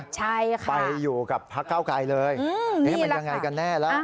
ใช่ค่ะไปอยู่กับพักเก้าไกลเลยเอ๊ะมันยังไงกันแน่ละ